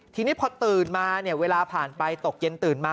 ทีนี้พอตื่นมาเนี่ยเวลาผ่านไปตกเย็นตื่นมา